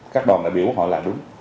các đoàn đại biểu quốc hội là đúng